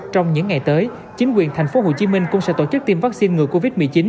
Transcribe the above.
trong những ngày tới chính quyền thành phố hồ chí minh cũng sẽ tổ chức tiêm vaccine người covid một mươi chín